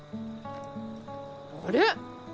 あれ！？